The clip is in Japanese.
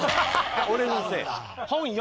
俺のせい？